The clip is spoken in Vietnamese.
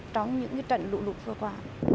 trong những cái trận lụ lụt vừa qua